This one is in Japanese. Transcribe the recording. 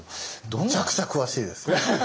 むちゃくちゃ詳しいです。